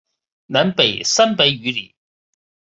南北三百余里。